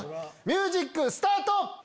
ミュージックスタート！